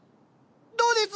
どうです？